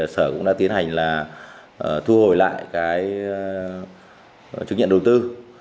sở cũng đã tiến hành thu hồi lại chứng nhận đầu tư